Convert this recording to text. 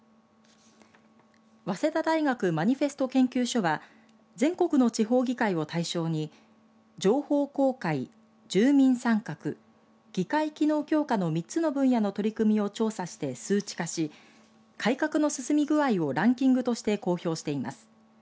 早稲田大学マニフェスト研究所は全国の地方議会を対象に情報公開住民参画議会機能強化の３つの分野の取り組みを調査して、数値化し改革の進み具合をランキングとして公表しています。